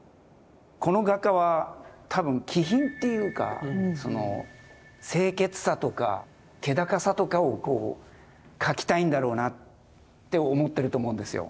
この画家は多分気品っていうか清潔さとか気高さとかを描きたいんだろうなって思ってると思うんですよ。